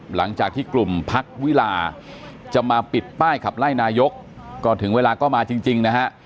หลังจากที่กลุ่มพักวิลาจะมาปิดป้ายขับไล่นายกก็ถึงเวลาก็มาจริงนะฮะ